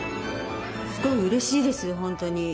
すごいうれしいです本当に。